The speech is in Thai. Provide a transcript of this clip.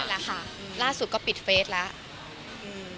ใช่แล้วค่ะล่าสุดก็ปิดเฟซแล้ว